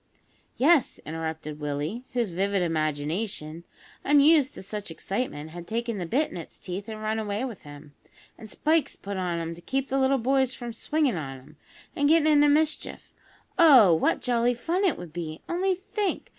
"Yes," interrupted Willie, whose vivid imagination, unused to such excitement, had taken the bit in its teeth and run away with him; "an' spikes put on 'em to keep the little boys from swinging on 'em, an' gettin' into mischief. Oh! what jolly fun it would be. Only think!